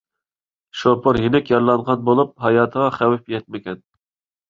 شوپۇر يېنىك يارىلانغان بولۇپ، ھاياتىغا خەۋپ يەتمىگەن.